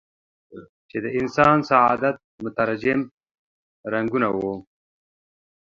چې د انسان سعادت مترجم رنګونه وو.